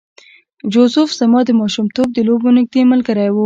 جوزف زما د ماشومتوب د لوبو نږدې ملګری و